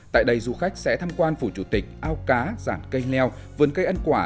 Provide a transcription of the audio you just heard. tại đây du khách sẽ tham quan phủ chủ tịch ao cá giản cây leo vườn cây ăn quả